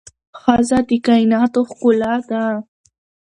ښځه د کائناتو ښکلا ده